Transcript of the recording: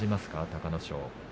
隆の勝は。